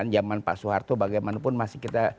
zaman pak soeharto bagaimanapun masih kita